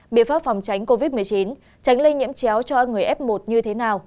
biện pháp phòng tránh covid một mươi chín tránh lây nhiễm chéo cho người f một như thế nào